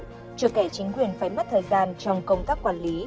trừ kẻ chính quyền phải mất thời gian trong công tác quản lý